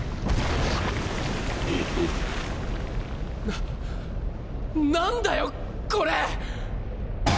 ななんだよこれ！